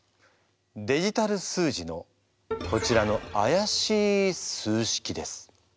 デジタル数字のこちらのあやしい数式です。